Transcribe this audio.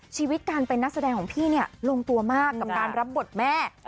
ชีวิตการเป็นนักแสดงของพี่เนี่ยลงตัวมากกับการรับบทแม่